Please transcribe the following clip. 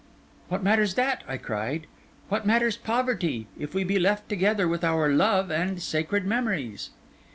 'What matters that?' I cried. 'What matters poverty, if we be left together with our love and sacred memories?